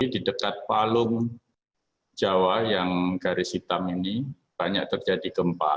di dekat palung jawa yang garis hitam ini banyak terjadi gempa